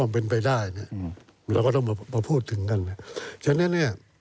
เพื่อใคร